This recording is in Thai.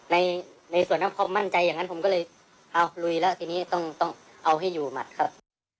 ในในส่วนนั้นพอมั่นใจอย่างนั้นผมก็เลยเอาลุยแล้วทีนี้ต้องเอาให้อยู่หมัดครับ